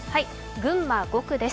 群馬５区です。